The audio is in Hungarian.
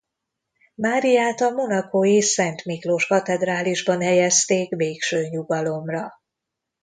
Máriát a monacói Szent Miklós-katedrálisban helyezték végső nyugalomra.